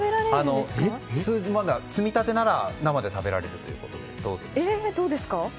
まだ摘み立てなら生で食べられるということで。